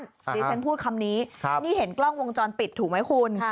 ดิฉันพูดคำนี้นี่เห็นกล้องวงจรปิดถูกไหมคุณ